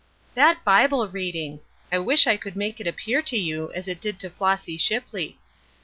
That Bible reading! I wish I could make it appear to you as it did to Flossy Shipley.